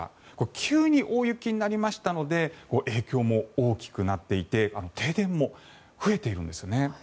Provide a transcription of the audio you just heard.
急に大雪になりましたので影響も大きくなっていて停電も増えているんですよね。